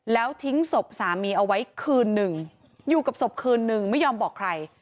แล้วทิ้งศพสามีเอาไว้คืนหนึ่งอยู่กับศพคืนนึงไม่ยอมบอกใคร